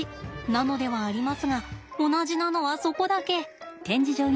なのではありますが同じなのはそこだけ。